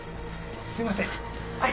すいません。